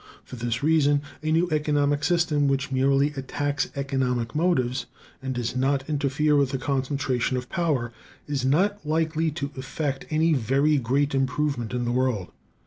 For this reason, a new economic system which merely attacks economic motives and does not interfere with the concentration of power is not likely to effect any very great improvement in the world.